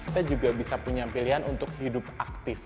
kita juga bisa punya pilihan untuk hidup aktif